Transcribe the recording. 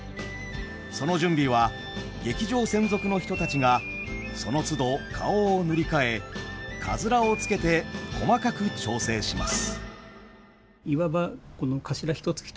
その準備は劇場専属の人たちがそのつど顔を塗り替えかづらをつけて細かく調整します。